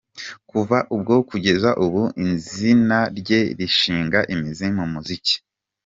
Kuva ubwo kugeza ubu izina rye rishinga imizi mu muziki.